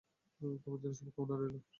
তোমার জন্যও শুভকামনা রইলো।